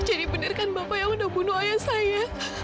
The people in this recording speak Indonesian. jadi benar kan bapak yang sudah bunuh ayah saya